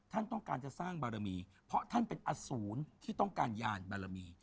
ท่านต้องการจะสร้างบารมีเพราะท่านเป็นอสูรที่ต้องการยานบารมี